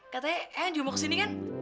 katanya eh juga mau kesini kan